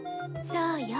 そうよ。